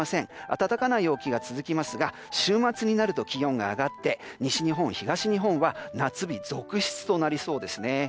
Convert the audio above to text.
暖かな陽気が続きますが週末になると気温が上がって西日本、東日本は夏日続出となりそうです。